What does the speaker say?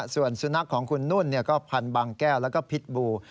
ส่วนสุนัขของคุณนุ่นก็พันบางแก้วแล้วก็พิษบู